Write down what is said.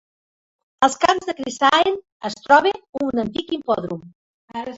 Als camps de Crisaean es troba un antic hipòdrom.